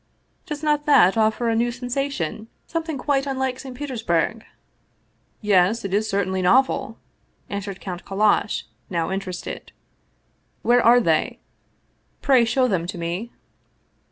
Does not that offer a new sensation, something quite unlike St. Peters burg?" " Yes, it is certainly novel," answered Count Kallash, now interested. " Where are they? Pray show them to me."